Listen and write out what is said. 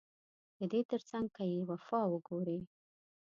ددې ترڅنګ که يې وفا وګورې